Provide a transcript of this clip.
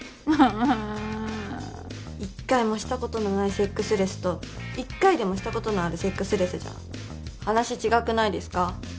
う一回もシたことのないセックスレスと一回でもシたことのあるセックスレスじゃ話違くないですか？